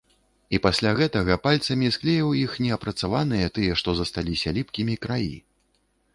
І пасля гэтага пальцамі склеіў іх неапрацаваныя, тыя, што засталіся ліпкімі краі.